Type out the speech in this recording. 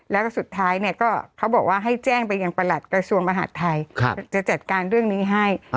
แล้วก็สุดท้ายเนี่ยก็เขาบอกว่าให้แจ้งไปยังประหลัดกระทรวงมหาดไทยจะจัดการเรื่องนี้ให้